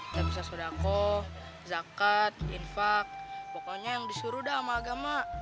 kita bisa sodako zakat infak pokoknya yang disuruh dama agama